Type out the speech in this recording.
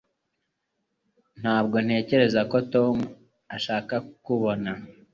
Ntabwo ntekereza ko Tom ashaka kukubona